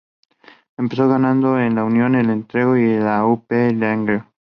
Empezó jugando en el Unión de El Entrego y el U. P. Langreo.